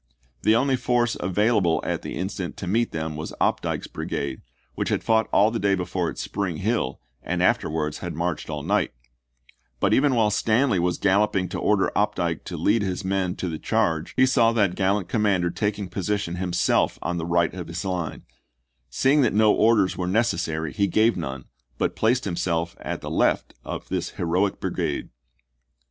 The only force available at the instant to meet them was Opdycke's brigade, which had fought all the day before at Spring Hill and afterwards had marched all night ; but even while Stanley was galloping to order Opdycke to lead his men to the charge he saw that gallant commander taking position him self on the right of his line ; seeing that no orders were necessary he gave none, but placed himself at the left of this heroic brigade.